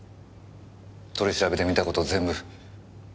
取り調べで見た事全部。